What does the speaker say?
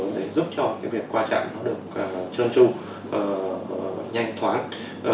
để giúp cho việc qua trạng nó được trơn trung nhanh thoáng